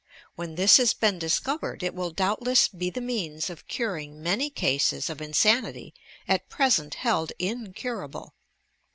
When this has been discovered, it will doubtless be the means of curing many cases of insanity at present held incurable.